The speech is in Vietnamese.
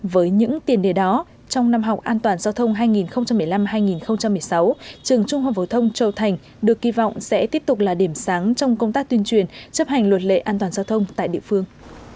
với những tiền đề đó trong năm học an toàn giao thông hai nghìn một mươi năm hai nghìn một mươi sáu trường trung học phổ thông châu thành được kỳ vọng sẽ tiếp tục là điểm sáng trong công tác tuyên truyền chấp hành luật lệ an toàn giao thông tại địa phương